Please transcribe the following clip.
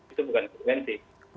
itu bukan intervensi